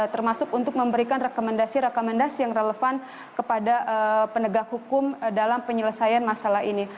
termasuk untuk memberikan rekomendasi rekomendasi yang relevan kepada penegak hukum dalam penyelesaian masalah ini